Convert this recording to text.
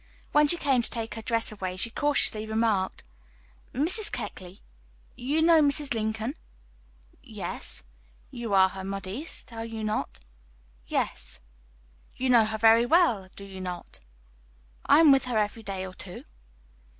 When she came to take her dress away, she cautiously remarked: "Mrs. Keckley, you know Mrs. Lincoln?" "Yes." "You are her modiste; are you not?" "Yes." "You know her very well; do you not?" "I am with her every day or two."